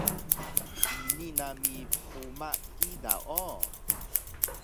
Ini nami phuma kida o!